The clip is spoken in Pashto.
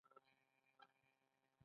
ایا تاسو راته نسخه لیکئ؟